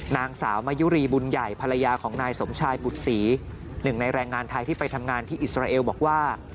นางสาวมายุรีบุญใหญ่ภรรยาของนายสมชายบุตรศรีหนึ่งในแรงงานไทยที่ไปทำงานที่อิสราเอลบอกว่า